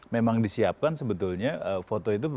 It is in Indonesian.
memang disiapkan sebetulnya foto itu